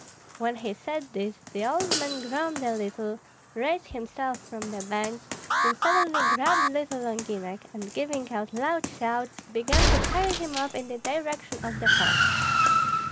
When he had said this, the old man groaned a little, raised himself from the bench, then suddenly grabbed little Longinek, and giving out loud shouts, began to carry him off in the direction of the pond.